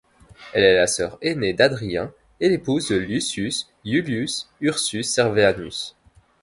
Elle est la sœur aînée d'Hadrien et l'épouse de Lucius Iulius Ursus Servianus.